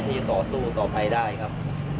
ที่ต่อสู้ต่อไปได้ครับ